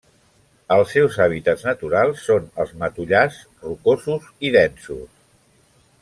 Els seus hàbitats naturals són els matollars rocosos i densos.